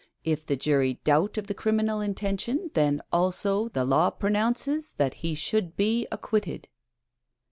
If the jury doubt of the criminal intention, then, also, the law pronounces that he should be ac quitted."